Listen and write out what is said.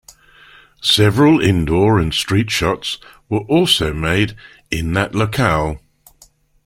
Several indoor and street shots were also made in that locale.